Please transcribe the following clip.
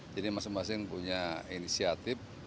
jadi masing masing punya inisiatif